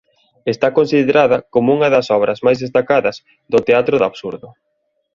Está considerada como unha das obras máis destacadas do Teatro do absurdo.